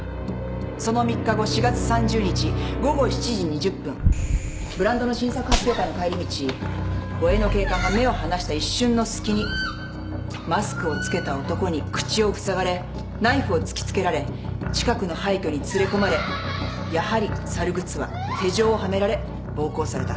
その３日後４月３０日午後７時２０分ブランドの新作発表会の帰り道護衛の警官が目を離した一瞬のすきにマスクを着けた男に口をふさがれナイフを突き付けられ近くの廃虚に連れ込まれやはり猿ぐつわ手錠をはめられ暴行された。